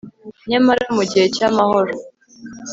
Nyamara mu gihe cyamahoro